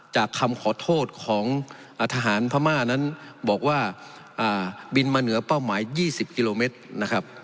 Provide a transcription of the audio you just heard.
คำขอโทษของทหารพม่านั้นบอกว่าบินมาเหนือเป้าหมาย๒๐กิโลเมตรนะครับ